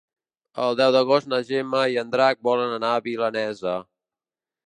El deu d'agost na Gemma i en Drac volen anar a Vinalesa.